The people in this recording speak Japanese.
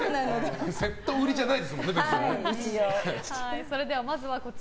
セット売りじゃないですもんね、別に。